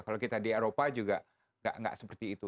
kalau kita di eropa juga nggak seperti itu